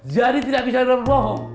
jadi tidak bisa ada rohong